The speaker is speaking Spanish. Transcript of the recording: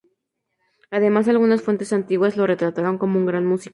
Además, algunas fuentes antiguas lo retrataron como un gran músico.